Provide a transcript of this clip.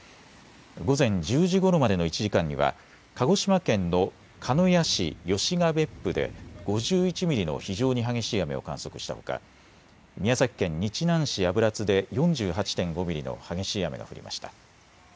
午前１０時ごろまでの１時間には鹿児島県の鹿屋市吉ケ別府で５１ミリの非常に激しい雨を観測したほか宮崎県日南市油津で４８．５ミリの激しい雨が降りました。